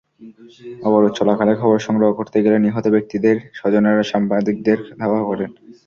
অবরোধ চলাকালে খবর সংগ্রহ করতে গেলে নিহত ব্যক্তিদের স্বজনেরা সাংবাদিকদের ধাওয়া করেন।